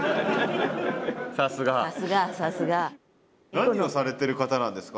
何をされてる方なんですか？